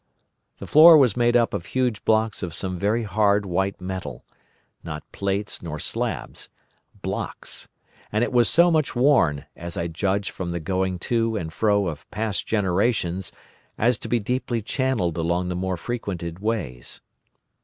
The floor was made up of huge blocks of some very hard white metal, not plates nor slabs—blocks, and it was so much worn, as I judged by the going to and fro of past generations, as to be deeply channelled along the more frequented ways.